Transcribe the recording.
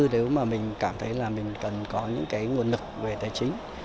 nếu mà mình cảm thấy là mình cần có những cái nguồn lực về tài chính